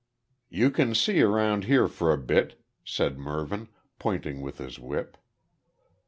"You can see around here for a bit," said Mervyn, pointing with his whip.